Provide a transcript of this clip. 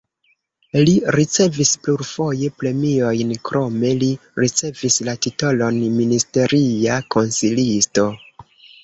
Li ricevis plurfoje premiojn, krome li ricevis la titolon ministeria konsilisto.